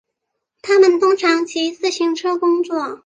他们通常骑自行车工作。